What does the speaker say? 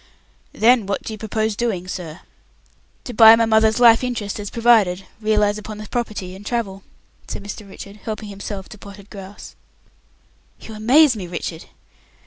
"Then what do you propose doing, sir?" "To buy my mother's life interest as provided, realize upon the property, and travel," said Mr. Richard, helping himself to potted grouse. "You amaze me, Richard.